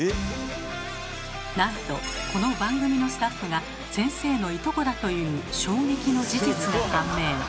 なんとこの番組のスタッフが先生のいとこだという衝撃の事実が判明。